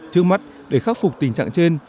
trước mắt để khắc phục tình trạng trên